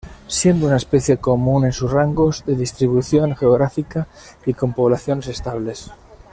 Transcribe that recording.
Siendo una especie común en su rango de distribución geográfica, y con poblaciones estables.